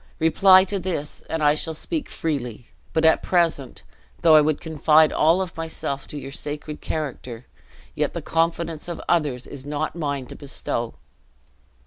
Reply to this, and I shall speak freely; but at present, though I would confide all of myself to your sacred character, yet the confidence of others is not mine to bestow."